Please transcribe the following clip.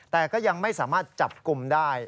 แต่ก็ยังไม่สามารถจับกลุ่มได้